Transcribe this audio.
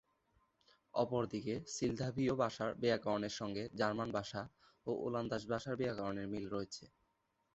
অপরদিকে সিলদাভীয় ভাষার ব্যাকরণের সঙ্গে জার্মান ভাষা ও ওলন্দাজ ভাষার ব্যাকরণের মিল রয়েছে।